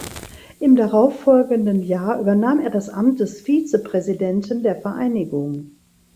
Im darauffolgenden Jahr übernahm er das Amt des Vizepräsidenten der Vereinigung.